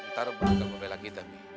taruh bangga membeli lagi tapi